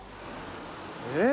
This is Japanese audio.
えっ？